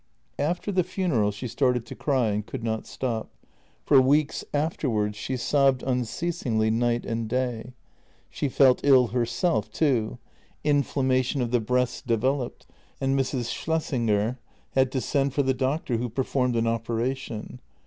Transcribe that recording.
After the funeral she started to cry, and could not stop; for weeks afterwards she sobbed unceasingly night and day. She fell ill herself too; inflammation of the breasts developed, and Mrs. Schlessinger had to send for the doctor, who performed an operation.